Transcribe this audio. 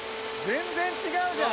全然違うじゃん。